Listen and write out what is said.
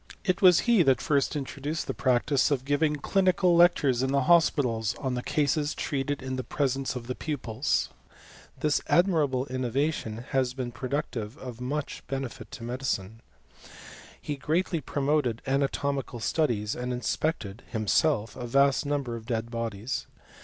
It was he that first introduced the practice of giving clinical lectures in the hospitals, on the cases treated in the presence of the pupils. This admirable innovation has been productive of much benefit to medicine. He greatly promoted anatomical studies, and inspected, himself, a vast number of dead bodies.